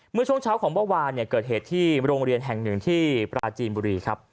เมื่อช่วงเช้าของเมื่อวานเกิดเหตุที่โรงเรียนแห่งหนึ่งที่ปราจีนบุรีครับ